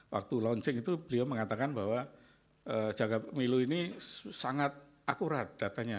waktu launching itu beliau mengatakan bahwa jaga pemilu ini sangat akurat datanya